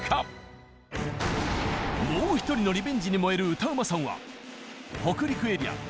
もう１人のリベンジに燃える歌うまさんは北陸エリア